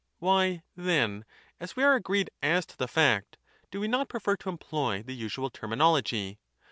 Why, then, as we are agreed as to the fact, do we not prefer to employ the usual terminology?